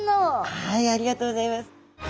はいありがとうギョざいます。